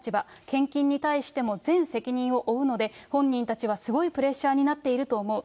献金に対しても全責任を負うので、本人たちはすごいプレッシャーになっていると思う。